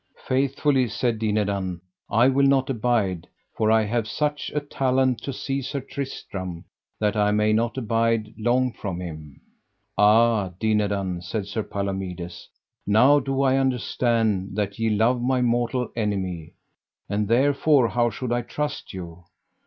Faithfully, said Dinadan, I will not abide, for I have such a talent to see Sir Tristram that I may not abide long from him. Ah, Dinadan, said Sir Palomides, now do I understand that ye love my mortal enemy, and therefore how should I trust you.